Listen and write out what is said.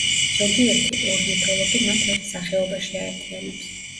ზოგიერთი ორნითოლოგი მათ ერთ სახეობაში აერთიანებს.